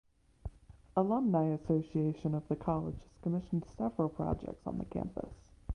Alumni association of the college has commissioned several projects on the campus.